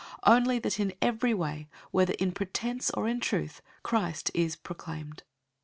Only that in every way, whether in pretense or in truth, Christ is proclaimed.